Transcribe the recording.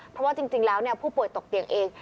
เพราะว่าจริงแล้วผู้ป่วยตกเตียงเอง